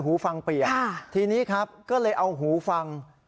หูฟังเปียกทีนี้ครับก็เลยเอาหูฟัง